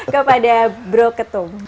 kepada bro katung